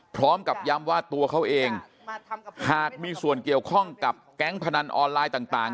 พร้อมกับย้ำว่าตัวเขาเองหากมีส่วนเกี่ยวข้องกับแก๊งพนันออนไลน์ต่าง